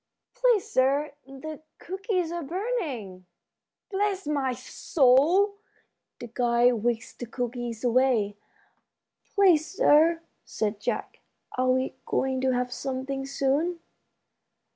"Please, sir, the cookies are burning." "Bless my soul!" The guide whisked the cookies away. "Please, sir," said Jack, "are we going to have something soon?"